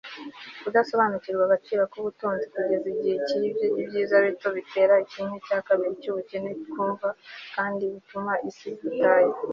kudasobanukirwa agaciro k'ubutunzi kugeza igihe cyibye ibyiza bito, bitera kimwe cya kabiri cy'ubukene twumva, kandi butuma isi iba ubutayu